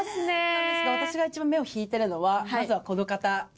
なんですが私が一番目を引いているのはまずはこの方。